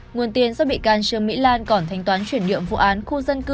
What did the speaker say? nguồn tiền do bị can trương mỹ lan còn thanh toán chuyển nhượng vụ án khu dân cư